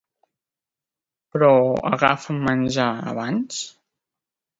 Però agafen menjar, abans?